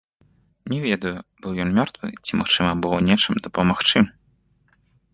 Не ведаю, быў ён мёртвы ці магчыма было нечым дапамагчы.